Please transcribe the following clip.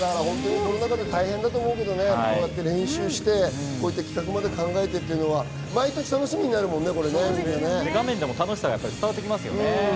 コロナ禍で大変だと思うけど、こうやって練習して企画まで考えてっていうのは毎年、楽しみにな画面でも楽しみが伝わってきますよね。